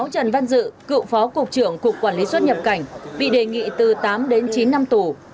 trần văn dự cựu phó cục trưởng cục quản lý xuất nhập cảnh bị đề nghị từ tám đến chín năm tù